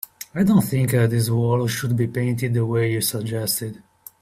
I don't think this wall should be painted the way you suggested.